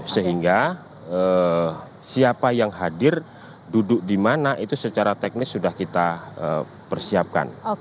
sehingga siapa yang hadir duduk di mana itu secara teknis sudah kita persiapkan